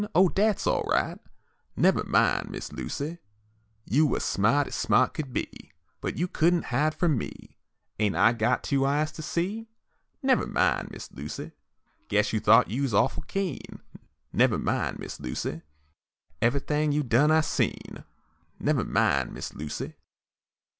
oh, dat's all right, Nevah min', Miss Lucy. You was sma't ez sma't could be, But you could n't hide from me. Ain't I got two eyes to see? Nevah min', Miss Lucy. Guess you thought you's awful keen; Nevah min', Miss Lucy. Evahthing you done, I seen; Nevah min', Miss Lucy.